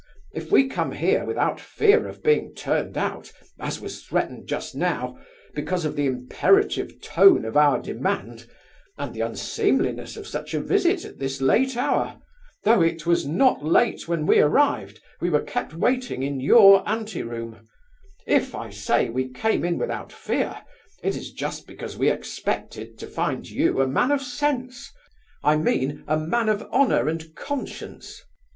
If we come here without fear of being turned out (as was threatened just now) because of the imperative tone of our demand, and the unseemliness of such a visit at this late hour (though it was not late when we arrived, we were kept waiting in your anteroom), if, I say, we came in without fear, it is just because we expected to find you a man of sense; I mean, a man of honour and conscience.